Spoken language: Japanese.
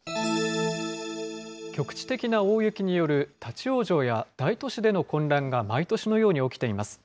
局地的な大雪による立往生や大都市での混乱が毎年のように起きています。